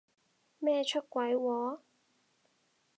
咩出軌喎？